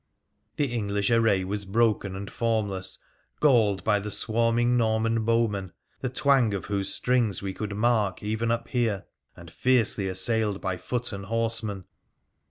The English array was broken and formless, galled by the swarming Norman bowmen, the twang of whose strings we could mark even up here, and fiercely assailed by foot and horsemen.